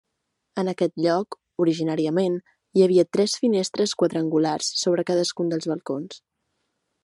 En aquest lloc, originàriament, hi havia tres finestres quadrangulars sobre cadascun dels balcons.